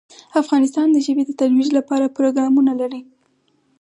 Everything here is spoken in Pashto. افغانستان د ژبې د ترویج لپاره پروګرامونه لري.